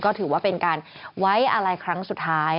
ก็ถือว่าเป็นการไว้อะไรครั้งสุดท้าย